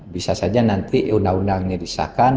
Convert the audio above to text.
bisa saja nanti undang undangnya disahkan